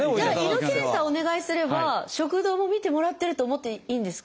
胃の検査をお願いすれば食道も診てもらってると思っていいんですか？